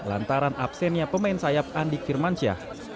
lantaran absennya pemain sayap andik firmansyah